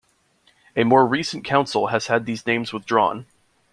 A more recent Council has had these names withdrawn.